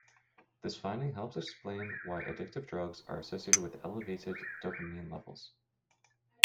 This finding helps explain why addictive drugs are associated with elevated dopamine levels.